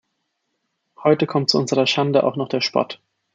Heute kommt zu unserer Schande auch noch der Spott.